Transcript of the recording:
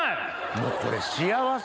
もうこれ幸せ。